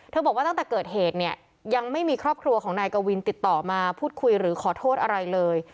บอกว่าตั้งแต่เกิดเหตุเนี่ยยังไม่มีครอบครัวของนายกวินติดต่อมาพูดคุยหรือขอโทษอะไรเลย